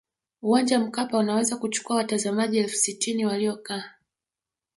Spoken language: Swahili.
uwanja wa mkapa unaweza kuchukua watazamaji elfu sitini waliokaa